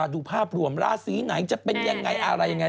ดูภาพรวมราศีไหนจะเป็นยังไงอะไรยังไง